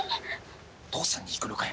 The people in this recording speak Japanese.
お父さんにいくのかよ。